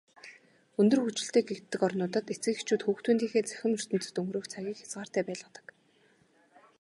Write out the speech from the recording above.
Өндөр хөгжилтэй гэгддэг орнуудад эцэг эхчүүд хүүхдүүдийнхээ цахим ертөнцөд өнгөрөөх цагийг хязгаартай байлгадаг.